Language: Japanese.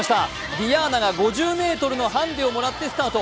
ディアーナが５０ｍのハンデをもらってスタート。